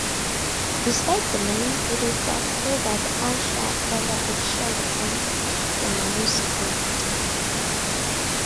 Despite the name, it is doubtful that Ussher ever actually owned the manuscript.